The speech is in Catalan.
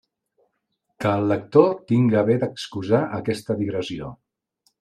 Que el lector tinga a bé d'excusar aquesta digressió.